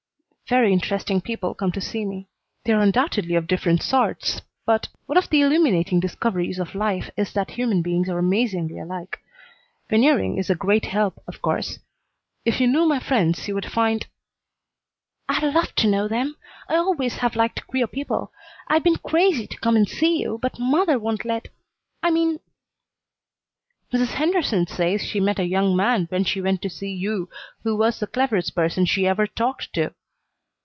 "Very interesting people come to see me. They are undoubtedly of different sorts, but one of the illuminating discoveries of life is that human beings are amazingly alike. Veneering is a great help, of course. If you knew my friends you would find " "I'd love to know them. I always have liked queer people. I've been crazy to come and see you, but mother won't let I mean " "Mrs. Henderson says she met a young man when she went to see you who was the cleverest person she ever talked, to."